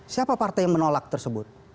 siapa partai yang menolak tersebut